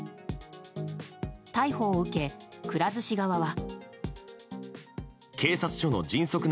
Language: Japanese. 逮捕を受け、くら寿司側は。